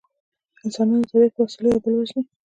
انسانان د طبیعت په وسایلو یو بل وژني